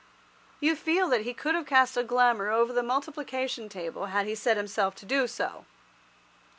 You feel that he could have cast a glamour over the multiplication table had he set himself to do so.